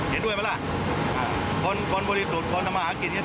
หรือว่าพวกนี้อยู่กับการเมือง